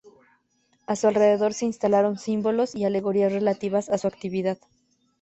A su alrededor se instalaron símbolos y alegorías relativas a su actividad.